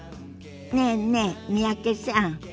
ねえねえ三宅さん。